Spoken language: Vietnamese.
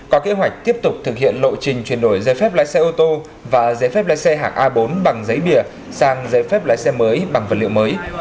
có kế hoạch tiếp tục thực hiện lộ trình chuyển đổi giấy phép lái xe ô tô và giấy phép lái xe hạng a bốn bằng giấy bìa sang giấy phép lái xe mới bằng vật liệu mới